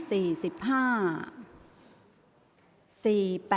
ออกรางวัลที่๖